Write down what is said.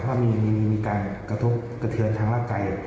ถ้ามีการกระทบกระเทือนทางร่างกาย